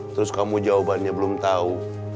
terus kamu jawabannya belum tahu